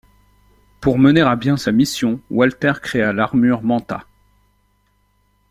Pour mener à bien sa mission, Walter créa l'armure Manta.